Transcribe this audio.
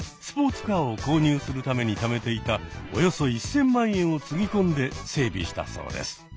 スポーツカーを購入するためにためていたおよそ１，０００万円をつぎ込んで整備したそうです。